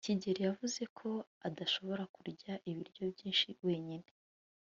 kigeri yavuze ko adashobora kurya ibiryo byinshi wenyine